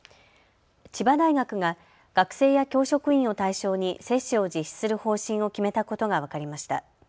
千葉大学が学生や教職員を対象に接種を実施する方針を決めたことが分かりました。